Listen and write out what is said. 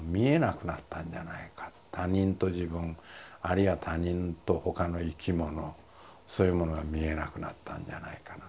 他人と自分あるいは他人と他の生き物そういうものが見えなくなったんじゃないかなと。